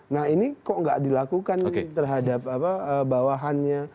nah ini kok nggak dilakukan terhadap bawahannya